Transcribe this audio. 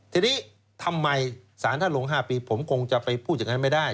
ทีนี้ทำไมศาลท่านลง๕ปีผมคงจะไปพูดอย่างนั้นไม่ได้